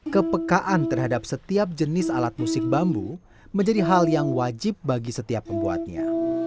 kepekaan terhadap setiap jenis alat musik bambu menjadi hal yang wajib bagi setiap pembuatnya